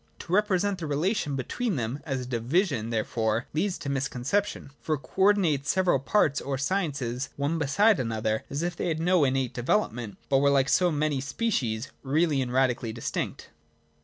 To repre sent the relation between them as a division, therefore, leads to misconception ; for it co ordinates the several parts or sciences one beside another, as if they had no innate development, but were, like so many species, really and radically distinct.